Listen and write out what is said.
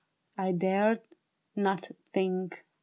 I dared not think.